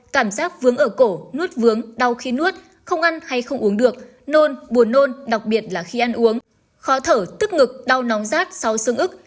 cảm giác vướng ở cổ nuốt vướng đau khi nuốt không ăn hay không uống được nôn buồn nôn đặc biệt là khi ăn uống khó thở tức ngực đau nóng rác sau sương ức